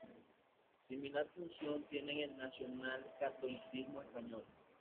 Similar función tuvo en el nacionalcatolicismo español.